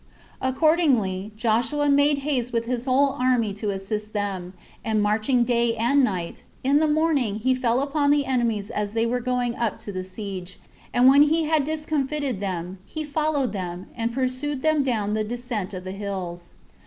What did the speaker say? Accordingly, Joshua made haste with his whole army to assist them, and marching day and night, in the morning he fell upon the enemies as they were going up to the siege; and when he had discomfited them, he followed them, and pursued them down the descent of the hills.